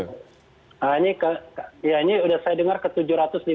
nah ini ke ya ini udah saya dengar ke tujuh ratus lima puluh satu kalau begitu